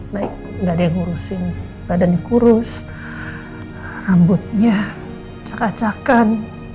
baik gak ada yang ngurusin badannya kurus rambutnya cak cak an